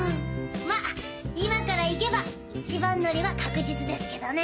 まっ今から行けば一番乗りは確実ですけどね。